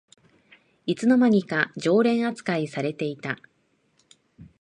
いつの間にか常連あつかいされてた